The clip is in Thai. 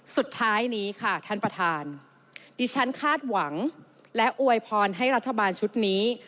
สุดท้ายนี้ค่ะท่านประธานดิฉันคาดหวังและอวยพรให้รัฐบาลชุดนี้